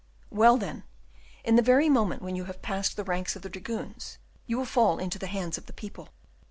"Well, then, in the very moment when you have passed the ranks of the dragoons you will fall into the hands of the people."